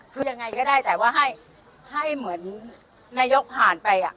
คือยังไงก็ได้แต่ว่าให้เหมือนนายกผ่านไป